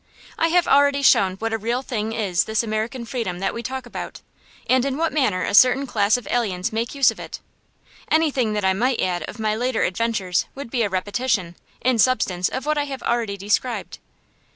I have already shown what a real thing is this American freedom that we talk about, and in what manner a certain class of aliens make use of it. Anything that I might add of my later adventures would be a repetition, in substance, of what I have already described.